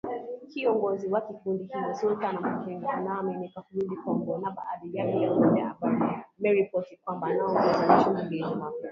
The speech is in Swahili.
Kiongozi wa kundi hilo Sultani Makenga anaaminika kurudi Kongo na badhi ya vyombo vya habari vimeripoti kwamba anaongoza mashambulizi mapya